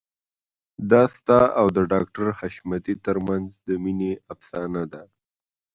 دا ستا او د ډاکټر حشمتي ترمنځ د مينې افسانه ده